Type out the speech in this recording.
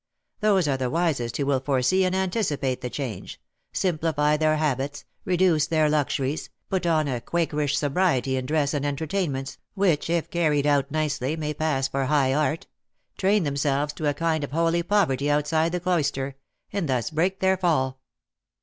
Those are wisest who will foresee and anticipate the change, simplify their habits, reduce their luxuries, put on a Quakerish sobriety in dress and entertainments, which, if carried out nicely, may pass for high art — train themselves to a kind of holy poverty outside the cloister — and thus break their fall.